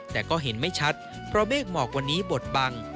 แต่ก็เห็นไม่ชัดเพราะเมฆหมอกวันนี้บทบัง